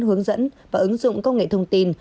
hướng dẫn và ứng dụng công nghệ thông tin